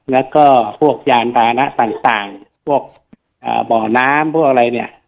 แล้วก็พวกยานพานะต่างพวกบ่อน้ำพวกอะไรเนี่ย